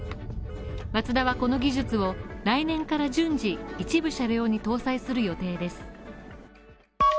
マツダはこの技術を、来年から順次、一部車両に搭載する予定です。